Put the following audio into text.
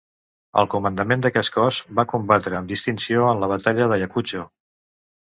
Al comandament d'aquest cos va combatre amb distinció en la batalla d'Ayacucho.